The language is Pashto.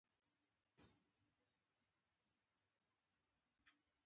احمد په روژه کې دومره بې واکه شي چې اوښ په ساره نه ویني.